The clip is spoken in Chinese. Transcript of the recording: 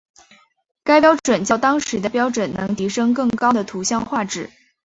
该标准较当时的标准能提升更高的图像画质。